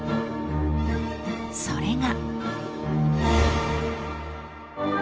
［それが］